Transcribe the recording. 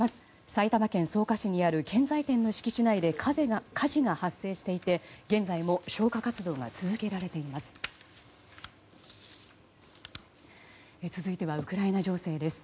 埼玉県草加市にある建材店の敷地内で火事が発生していて、現在も消火活動が続けられています。